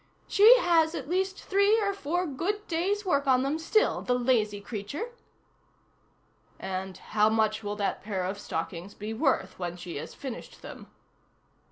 "She has at least three or four good days' work on them still, the lazy creature!" "And how much will that pair of stockings be worth when she has finished them?"